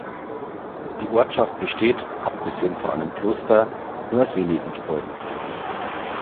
Die Ortschaft besteht, abgesehen von einem Kloster, nur aus wenigen Gebäuden.